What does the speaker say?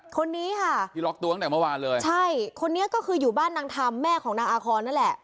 คนเนี่ยก็คืออยู่บ้านนางคลำแม่ของนางอาคอนนั่นแหละ